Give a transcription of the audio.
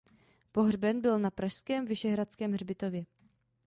Pohřben byl na pražském Vyšehradském hřbitově.